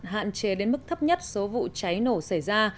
hạn chế đến mức thấp nhất số vụ cháy nổ xảy ra